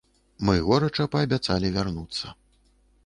Мы горача паабяцалі вярнуцца.